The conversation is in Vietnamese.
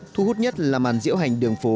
thu hút nhất là màn diễu hành đường phố